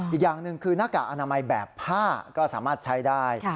อีกอย่างหนึ่งคือหน้ากากอนามัยแบบผ้าก็สามารถใช้ได้